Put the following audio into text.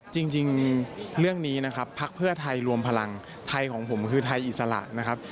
จริงเรื่องนี้นะครับพักเพื่อไทยรวมพลังไทยของผมคือไทยอิสระนะครับ